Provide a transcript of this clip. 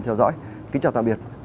theo dõi kính chào tạm biệt và hẹn gặp lại